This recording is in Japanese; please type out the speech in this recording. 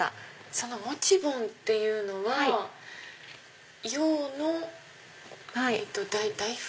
そのモチボンっていうのは洋の大福？